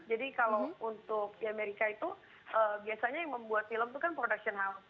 jadi kalau untuk di amerika itu biasanya yang membuat film itu kan production house